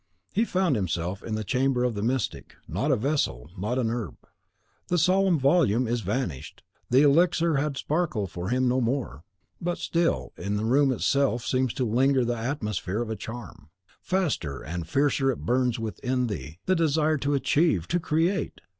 He found himself in the chamber of the mystic; not a vessel, not an herb! the solemn volume is vanished, the elixir shall sparkle for him no more! But still in the room itself seems to linger the atmosphere of a charm. Faster and fiercer it burns within thee, the desire to achieve, to create!